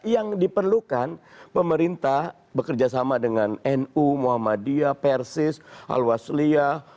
yang diperlukan pemerintah bekerjasama dengan nu muhammadiyah persis al wasliyah